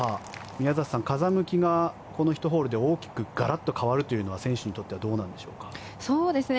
宮里さん、風向きがこの１ホールで大きくガラッと変わるというのは選手にとってはどうなんでしょうか。